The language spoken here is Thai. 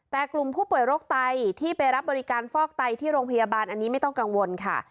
แต่กลุ่มผู้ป่วยโรคไตที่ไปรับบริการฟอกไตที่โรงพยาบาลอันนี้ไม่ต้องกังวลค่ะ